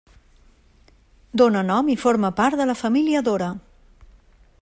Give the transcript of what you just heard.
Dóna nom i forma part de la família Dora.